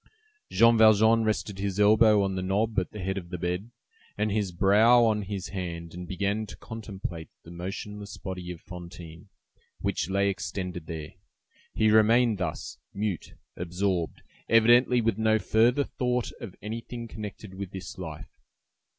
Jean Valjean rested his elbow on the knob at the head of the bed, and his brow on his hand, and began to contemplate the motionless body of Fantine, which lay extended there. He remained thus, mute, absorbed, evidently with no further thought of anything connected with this life.